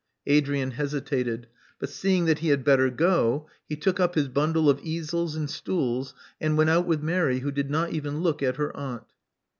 Adrian hesitated. But seeing that he had better go, he took up his bundle of easels and stools, and went out with Mary, who did not even look at her aunt.